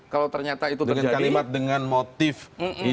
kalau ternyata itu terjadi